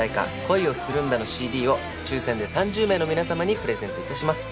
『恋をするんだ』のＣＤを抽選で３０名の皆様にプレゼント致します。